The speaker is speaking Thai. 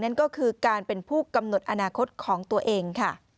นั่นก็คือการเป็นผู้กำหนดอนาคตของตัวเองค่ะ